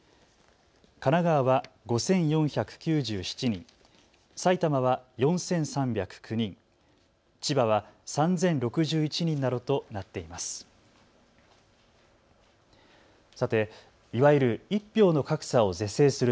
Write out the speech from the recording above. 神奈川は５４９７人、埼玉は４３０９人、千葉は３０６１人などとなっています。